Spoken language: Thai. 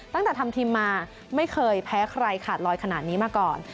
ตั้งแต่ทำทีมมาไม่เคยแพ้ใครขาดลอยขนาดนี้มาก่อน